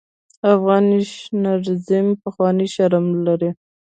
افغان نېشنلېزم پخوا شرم و.